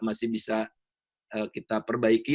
masih bisa kita perbaiki